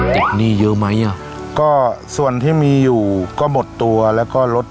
หนี้เยอะไหมอ่ะก็ส่วนที่มีอยู่ก็หมดตัวแล้วก็ลด